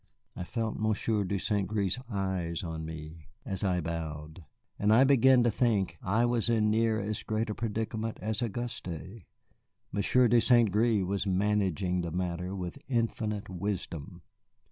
I felt Monsieur de St. Gré's eyes on me as I bowed, and I began to think I was in near as great a predicament as Auguste. Monsieur de St. Gré was managing the matter with infinite wisdom.